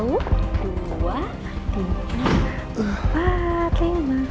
satu dua tiga empat lima